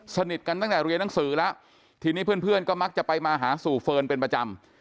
สนิทกันตั้งแต่เรียนหนังสือแล้วทีนี้เพื่อนก็มักจะไปมาหาสู่เฟิร์นเป็นประจำ